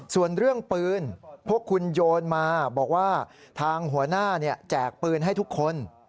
ส่วนเรื่องปืนพวกคุณโยนมาบอกว่าทางหัวหน้าแจกปืนให้ทุกคน